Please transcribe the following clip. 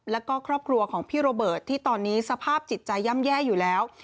แล้วก็ครอบครัวของพี่โรเบิร์ตที่ตอนนี้สภาพจิตใจย่ำแย่อยู่แล้ว